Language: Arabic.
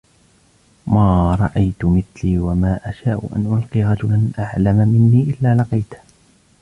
مَا رَأَيْت مِثْلِي وَمَا أَشَاءُ أَنْ أَلْقَى رَجُلًا أَعْلَمَ مِنِّي إلَّا لَقِيتُهُ